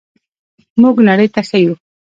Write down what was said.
موږ نړۍ ته ښیو.